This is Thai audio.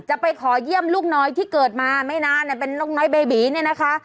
จะไปขอเยี่ยมลูกน้อยที่เกิดมาไม่นานเป็นนกน้อยเบบีเนี่ยนะคะ